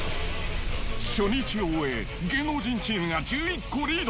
初日を終え、芸能人チームが１１個リード。